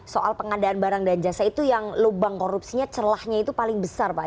soal pengadaan barang dan jasa itu yang lubang korupsinya celahnya itu paling besar pak